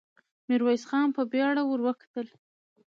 ميرويس خان په بېړه ور وکتل.